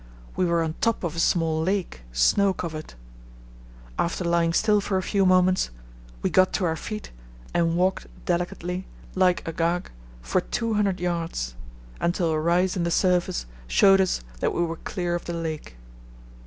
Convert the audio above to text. We were on top of a small lake, snow covered. After lying still for a few moments we got to our feet and walked delicately, like Agag, for 200 yds., until a rise in the surface showed us that we were clear of the lake.